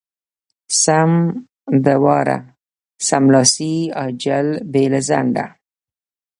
سم د واره= سملاسې، عاجل، بې له ځنډه.